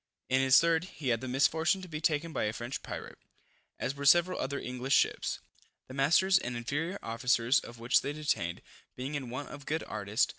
In his third, he had the misfortune to be taken by a French pirate, as were several other English ships, the masters and inferior officers of which they detained, being in want of good artists.